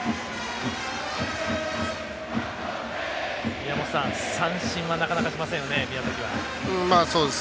宮本さん、三振はなかなかしませんよね、宮崎は。